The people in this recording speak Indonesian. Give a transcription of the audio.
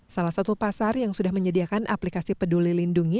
salah satu pasar yang sudah menyediakan aplikasi peduli lindungi